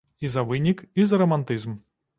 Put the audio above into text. І за вынік, і за рамантызм.